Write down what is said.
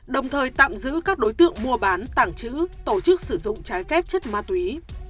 đồng thời tạm giữ các đối tượng mua bán tàng trữ tổ chức sử dụng trái phép chất ma túy